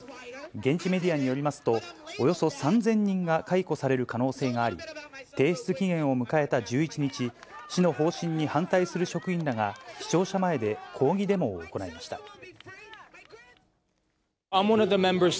現地メディアによりますと、およそ３０００人が解雇される可能性があり、提出期限を迎えた１１日、市の方針に反対する職員らが市庁舎前で抗議デモを行いました。